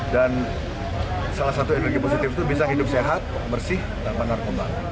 dan salah satu energi positif itu bisa hidup sehat bersih tanpa narkoba